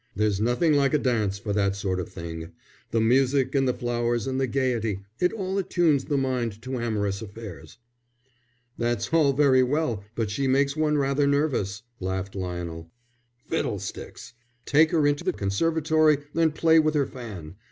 There's nothing like a dance for that sort of thing. The music and the flowers and the gaiety it all attunes the mind to amorous affairs." "That's all very well, but she makes one rather nervous," laughed Lionel. "Fiddlesticks! Take her into the conservatory and play with her fan.